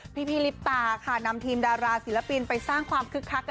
พี่ลิปตาค่ะนำทีมดาราศิลปินไปสร้างความคึกคัก